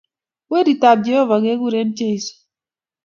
Weritab Jehovah kekuren Jesus